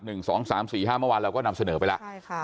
เมื่อวานเราก็นำเสนอไปแล้ว